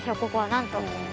ここはなんと。